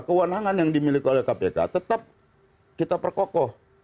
kewenangan yang dimiliki oleh kpk tetap kita perkokoh